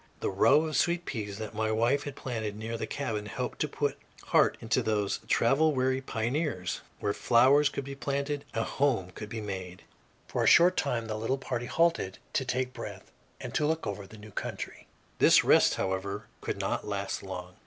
The row of sweet peas that my wife had planted near the cabin helped to put heart into those travel weary pioneers; where flowers could be planted, a home could be made. For a short time the little party halted to take breath and to look over the new country. This rest, however, could not last long.